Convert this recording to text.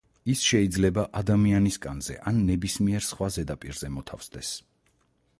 ის შეიძლება ადამიანის კანზე, ან ნებისმიერ სხვა ზედაპირზე მოთავსდეს.